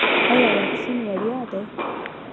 ایا واکسین وړیا دی؟